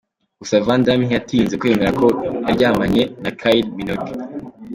Gusa Van Damme ntiyatinze kwemera ko yaryamanye na Kyle Minogue.